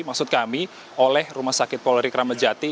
yang dialami oleh rs polri kramajati